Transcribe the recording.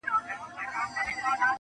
• په دا منځ کي چا نیولی یو عسکر وو -